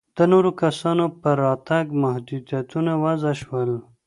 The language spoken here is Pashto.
د نورو کسانو پر راتګ محدودیتونه وضع شول.